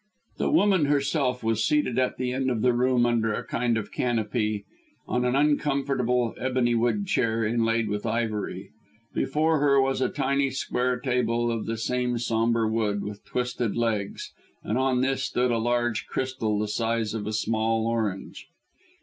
The woman herself was seated at the end of the room under a kind of canopy on an uncomfortable ebony wood chair inlaid with ivory. Before her was a tiny square table of the same sombre wood, with twisted legs, and on this stood a large crystal the size of a small orange.